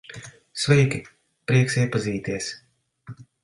Sveiki, prieks iepazīties.